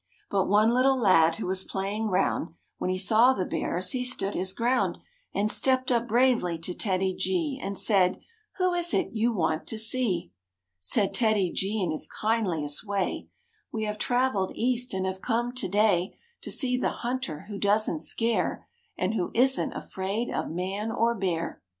But one little lad who was playing round When he saw the Bears, he stood his ground And stepped up bravely to TEDDY G And said, "Who is it you want to see?" k! Said TEDDY G in his kindliest way, "We have traveled East and have come to day To see the hunter who doesn't scare And who isn't afraid of man or bear."